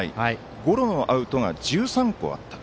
ゴロのアウトが１３個あったと。